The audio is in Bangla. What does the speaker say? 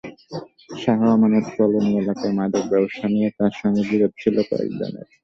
শাহ আমানত কলোনি এলাকায় মাদক ব্যবসা নিয়ে তাঁর সঙ্গে বিরোধ ছিল কয়েকজনের।